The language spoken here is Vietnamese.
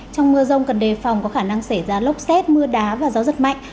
trong mưa rông cần đề phòng có khả năng xảy ra lốc xét mưa đá và gió rất mạnh